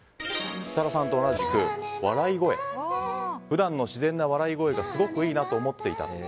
設楽さんと同じく、笑い声普段の自然な笑い声がすごくいいなと思っていた。